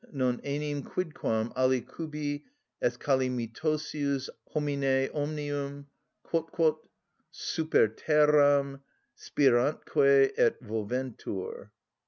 (Non enim quidquam alicubi est calamitosius homine _Omnium, quotquot super terram spirantque et moventur.